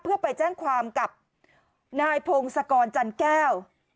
เพื่อไปแจ้งความกับนายพงศกรจันแก้ว